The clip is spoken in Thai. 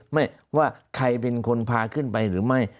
ไม่ว่าใครเป็นคนพาขึ้นไปหรือไม่